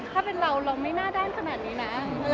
ถ้าเป็นเราเราไม่น่าด้านขนาดนี้นะ